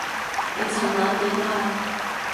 你琴晚點啊？